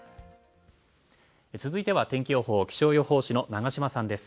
続いては天気予報、気象予報士の長島さんです。